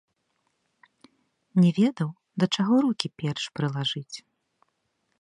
Не ведаў, да чаго рукі перш прылажыць.